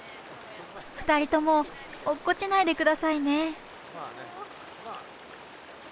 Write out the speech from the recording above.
２人とも落っこちないで下さいね。